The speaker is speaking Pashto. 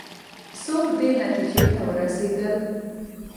څوک دې نتیجې ته ورسېدل؟